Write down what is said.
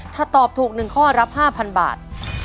ถ้าตอบถูก๑ข้อรับ๕๐๐บาท